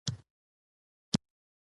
نوم لیکنه وکړی او ازموینه ورکړی.